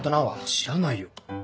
知らないよ。